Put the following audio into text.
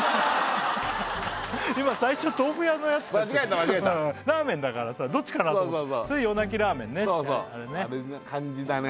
今最初豆腐屋のやつ間違えた間違えたラーメンだからさどっちかなと思ってそれ夜鳴きラーメンね